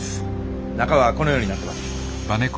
中はこのようになってます。